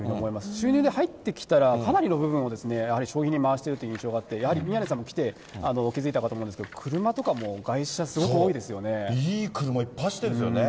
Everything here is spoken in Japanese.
収入が入ってきたら、かなりの部分を、消費に回してるという印象があって、やはり宮根さんも来て気付いたかと思うんですけど、車とかも外車そう、いい車いっぱい走ってるんですよね。